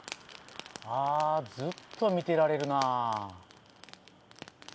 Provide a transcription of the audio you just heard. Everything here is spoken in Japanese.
あずっと見てられるなぁ。